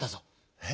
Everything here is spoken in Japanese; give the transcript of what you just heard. え⁉